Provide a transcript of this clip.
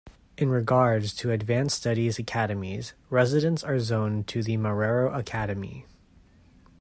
In regards to advanced studies academies, residents are zoned to the Marrero Academy.